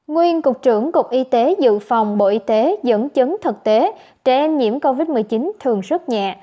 nguyên cục trưởng cục y tế dự phòng bộ y tế dẫn chứng thực tế trẻ em nhiễm covid một mươi chín thường rất nhẹ